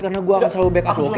karena gua akan selalu back aku oke